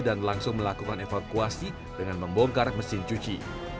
dan langsung melakukan evakuasi dengan membongkar mesin cuci